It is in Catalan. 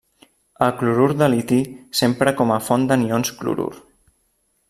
El clorur de liti s'empra com a font d'anions clorur.